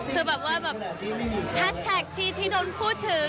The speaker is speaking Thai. คือแบบว่าแบบแฮชแท็กที่โดนพูดถึง